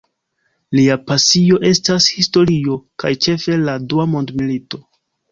Lia pasio estas historio, kaj ĉefe la Dua mondmilito.